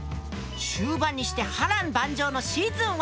終盤にして波乱万丈のシーズン１。